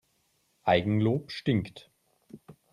Eigenlob stinkt.